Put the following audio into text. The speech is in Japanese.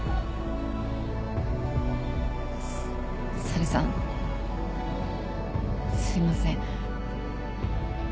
猿さんすいません。